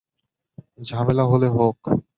ঝামেলা হলে হোক।